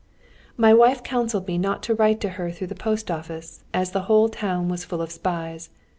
] My wife counselled me not to write to her through the post office, as the whole town was full of spies.